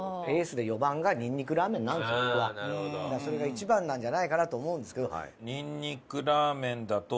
それが１番なんじゃないかなと思うんですけど。